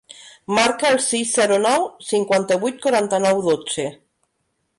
Marca el sis, zero, nou, cinquanta-vuit, quaranta-nou, dotze.